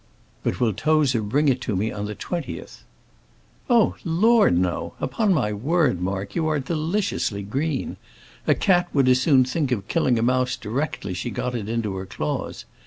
"But will Tozer bring it to me on the 20th?" "Oh, Lord, no! Upon my word, Mark, you are deliciously green. A cat would as soon think of killing a mouse directly she got it into her claws.